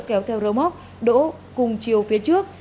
kéo theo rơ móc đỗ cùng chiều phía trước